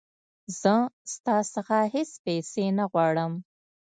زه ستا څخه هیڅ پیسې نه غواړم.